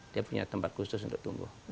dia punya tempat khusus untuk tumbuh